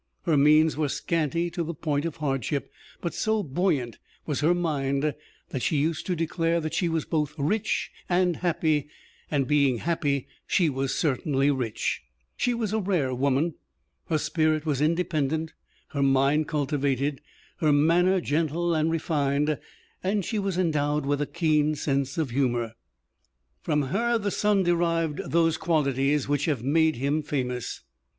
Her means were scanty to the point of hardship, but so buoyant was her mind that she used to declare that she was both rich and happy and being happy she was certainly rich. She was a rare woman. Her spirit was independent, her mind cultivated, her manner gentle and refined, and she was endowed with a keen sense of humor. From her, the son derived those qualities which have made him famous.